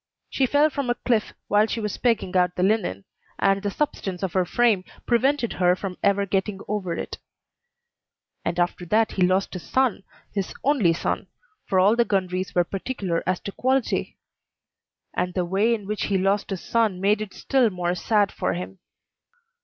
She fell from a cliff while she was pegging out the linen, and the substance of her frame prevented her from ever getting over it. And after that he lost his son, his only son for all the Gundries were particular as to quality; and the way in which he lost his son made it still more sad for him.